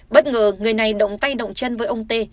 bất ngờ người này động tay động chân với ông tê